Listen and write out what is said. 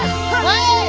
はい！